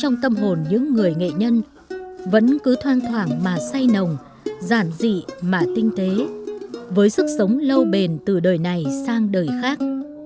nghệ nhân vẫn cứ thoang thoảng mà say nồng giản dị mà tinh tế với sức sống lâu bền từ đời này sang đời khác